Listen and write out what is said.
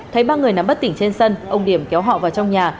thấy ba người nắm bất tỉnh trên sân ông điểm kéo họ vào trong nhà